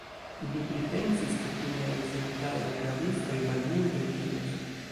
Li pripensis, ke tuja ekzekutado de l' rabistoj malmulte utilos.